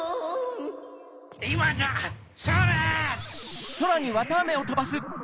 いまじゃそれ！